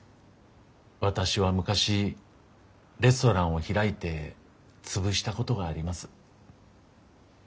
私は昔レストランを開いて潰したことがあります。